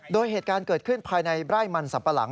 โดยเหตุการณ์เกิดขึ้นภายในไร่มันสัมปะหลัง